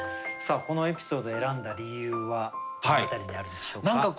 このエピソード選んだ理由はどの辺りにあるんでしょうか？